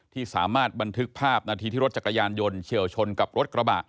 ที่สามารถบันทึกภาพนาทีที่รถจักรยานยนต์เฉียวชนกับรถกระบะ